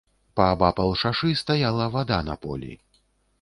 Паабапал шашы стаяла вада на полі.